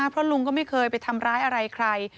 เพราะลุงก็ไม่เคยไปทำร้ายอะไรใคร